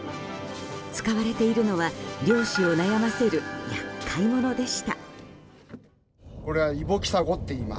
使われているのは漁師を悩ませる厄介者でした。